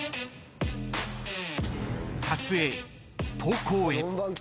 ［撮影投稿へ］